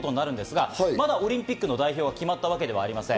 まだオリンピックの代表の選手が決まったわけではありません。